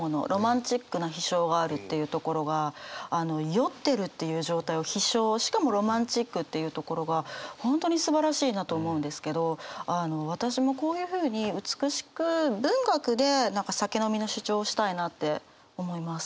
酔ってるっていう状態を「飛翔」しかもロマンチックって言うところが本当にすばらしいなと思うんですけどあの私もこういうふうに美しく文学で何か酒飲みの主張をしたいなって思います。